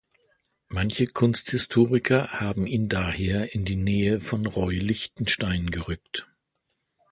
Manche Kunsthistoriker haben ihn daher in die Nähe von Roy Lichtenstein gerückt.